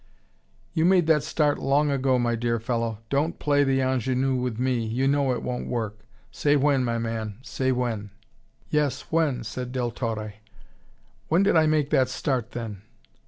"You made that start long ago, my dear fellow. Don't play the ingenue with me, you know it won't work. Say when, my man, say when!" "Yes, when," said Del Torre. "When did I make that start, then?"